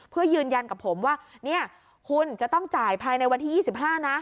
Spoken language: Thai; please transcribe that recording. เพื่อยืนยันกับผมว่าเนี่ยคุณจะต้องจ่ายภายในวันที่๒๕นะ